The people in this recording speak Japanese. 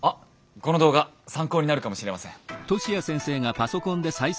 この動画参考になるかもしれません。